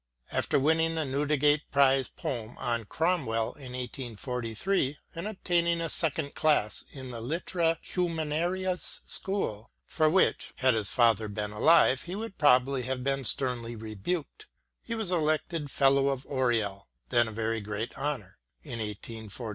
After winning the Newdigate Prize Poem on Cromwell in 1843 and obtaining a second class in the Literae Humaniores School — ^for which, had his father been alive, he would probably have been sternly rebuked — he was elected Fellow of Oriel — then a very great honour"— in 1845.